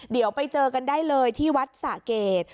เดี๋ยวไปเจอกันได้เลยที่วัดสะเกด